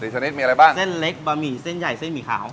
ชนิดมีอะไรบ้างเส้นเล็กบะหมี่เส้นใหญ่เส้นหมี่ขาว